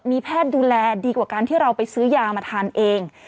มีแพทย์ดูแลดีกว่าการที่เราไปซื้อยามาทานเอง